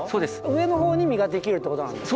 上の方に実ができるってことなんだ。